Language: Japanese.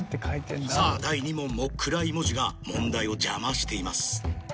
さぁ第２問も暗い文字が問題を邪魔しています。